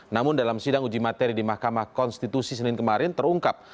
namun dalam sidang uji materi di mahkamah konstitusi senin kemarin terungkap